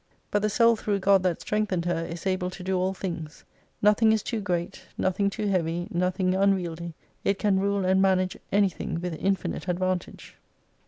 But the soul through God that strengthened her is able to do all things. Nothing is too ' great, nothing too heavy, nothing unwieldy ; it can rule and manage anything with infinite advantage.